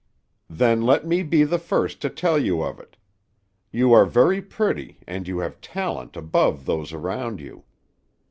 "Then let me be the first to tell you of it. You are very pretty, and you have talent above those around you.